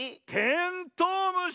テントウムシ。